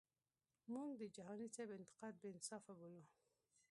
مونږ د جهانی سیب انتقاد بی انصافه بولو.